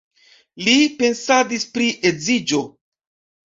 Li pensadis pri edziĝo.